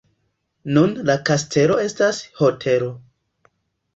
Nun la kastelo estas hotelo.